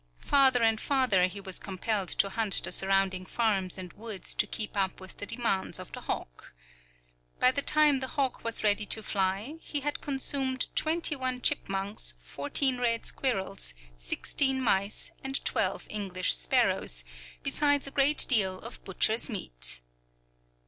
Farther and farther he was compelled to hunt the surrounding farms and woods to keep up with the demands of the hawk. By the time the hawk was ready to fly, it had consumed twenty one chipmunks, fourteen red squirrels, sixteen mice, and twelve English sparrows, besides a great deal of butcher's meat.